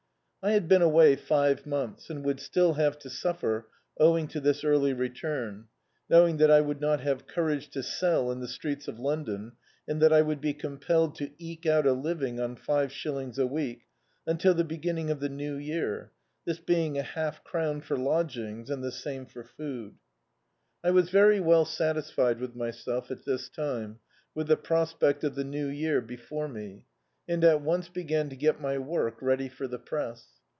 I had been away five months, and would still have to suffer owing to this early return; knowing that I would not have courage to sell in the streets of Londtm, and that I would be compelled to eke out a living on five shillings a week, until the beginning of the new year — this being a half crown for lodg ings, and the same for food. [3>7l D,i.,.db, Google The Autobiography of a Super Tramp I was veiy well satisfied with myself at this time, with the prospea of the new year before me; and at once b^an to get my work ready for the press.